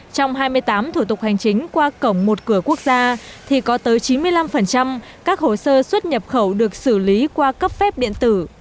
trong hai mươi tám thủ tục hành chính qua cổng một cửa quốc gia thì có tới chín mươi năm các hồ sơ xuất nhập khẩu được xử lý qua cấp phép điện tử